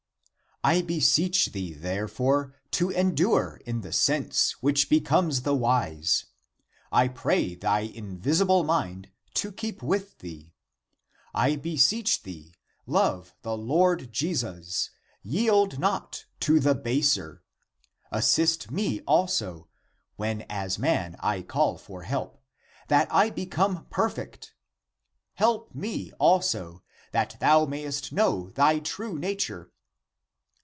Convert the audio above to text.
''I beseech thee, therefore, to endure in the sense which becomes the wise. I pray thy invis ible mind, to keep with thee. I beseech thee, love the Lord Jesus, yield not to the baser! Assist me also, when as man I call for help, that I become perfect ! Help me also, that thou mayest know thy true nature